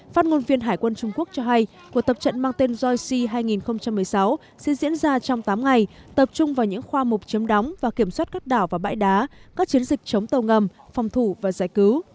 phát ngôn viên hải quân trung quốc cho hay cuộc tập trận mang tên joy hai nghìn một mươi sáu sẽ diễn ra trong tám ngày tập trung vào những khoa mục chấm đóng và kiểm soát các đảo và bãi đá các chiến dịch chống tàu ngầm phòng thủ và giải cứu